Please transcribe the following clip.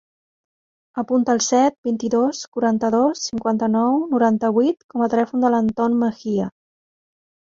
Apunta el set, vint-i-dos, quaranta-dos, cinquanta-nou, noranta-vuit com a telèfon de l'Anton Mejia.